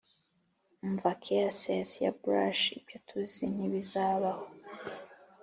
umva caresses ya brush ibyo tuzi nkibizabaho.